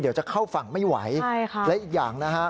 เดี๋ยวจะเข้าฝั่งไม่ไหวและอีกอย่างนะฮะ